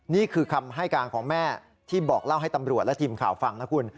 นี่คือคำให้การของแม่ที่บอกเล่าให้ตำรวจและทีมข่าวฟังนะคุณ